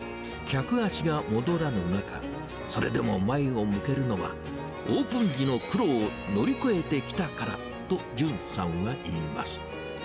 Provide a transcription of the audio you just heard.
客足が戻らぬ中、それでも前を向けるのは、オープン時の苦労を乗り越えてきたからと、淳さんは言います。